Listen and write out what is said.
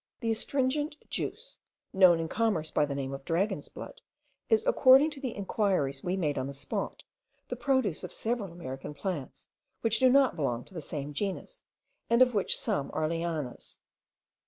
The astringent juice, known in commerce by the name of dragon's blood, is, according to the inquiries we made on the spot, the produce of several American plants, which do not belong to the same genus and of which some are lianas.